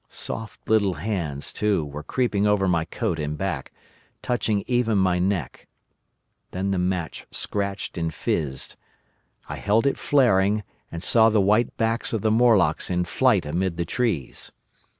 Soft little hands, too, were creeping over my coat and back, touching even my neck. Then the match scratched and fizzed. I held it flaring, and saw the white backs of the Morlocks in flight amid the trees.